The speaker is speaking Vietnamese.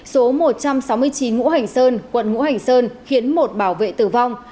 số một trăm sáu mươi chín ngũ hành sơn quận ngũ hành sơn khiến một bảo vệ tử vong